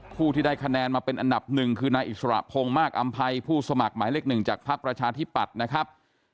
ผู้ที่ได้คะแนนมาเป็นอันดับหนึ่งคือนายอิสระพงศ์มากอำภัยผู้สมัครหมายเลข๑จากพักประชาธิปัตย์นะครับ